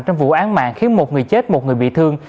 trong vụ án mạng khiến một người chết một người bị thương